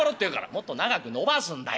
「もっと長く伸ばすんだよ」。